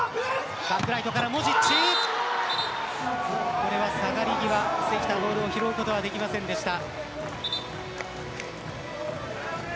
これは下がり際関田は拾うことができませんでした。